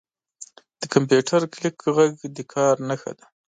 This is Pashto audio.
• د کمپیوټر کلیک ږغ د کار نښه ده.